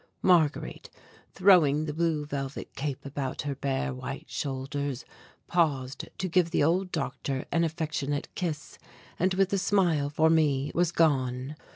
Marguerite, throwing the blue velvet cape about her bare white shoulders, paused to give the old doctor an affectionate kiss, and with a smile for me was gone.